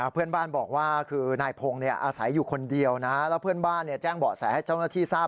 เพื่อนบ้านบอกว่าคือนายพงเนี่ยอาศัยอยู่คนเดียวพื่นบ้านเนี่ยแจ้งบอกให้เจ้าหน้าที่ทราบ